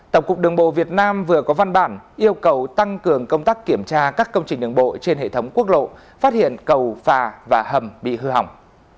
tổng cục đường bộ việt nam vừa có văn bản yêu cầu tăng cường công tác kiểm tra các công trình đường bộ trên hệ thống quốc lộ phát hiện cầu phà và hầm bị hư hỏng